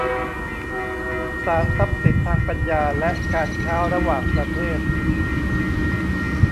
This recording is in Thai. ศาลทรัพย์สินทางปัญญาและการค้าระหว่างประเทศ